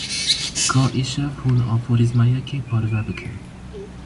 Ka îşev hûn aforîzmayekê parve bikin.